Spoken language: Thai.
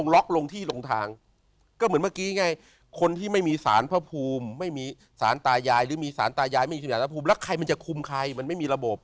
ล็อกลงที่ลงทางก็เหมือนเมื่อกี้ไงคนที่ไม่มีสารพระภูมิไม่มีสารตายายหรือมีสารตายายไม่มีสารภูมิแล้วใครมันจะคุมใครมันไม่มีระบบ